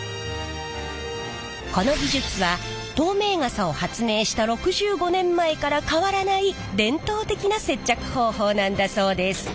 この技術は透明傘を発明した６５年前から変わらない伝統的な接着方法なんだそうです。